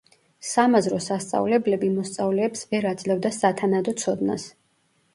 სამაზრო სასწავლებლები მოსწავლეებს ვერ აძლევდა სათანადო ცოდნას.